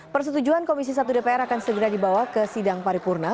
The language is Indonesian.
persetujuan komisi satu dpr akan segera dibawa ke sidang paripurna